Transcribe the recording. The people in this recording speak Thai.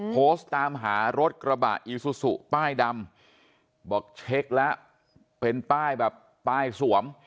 โพสต์ตามหารถกระบะอีซูซูป้ายดำบอกเช็คแล้วเป็นป้ายแบบป้ายสวม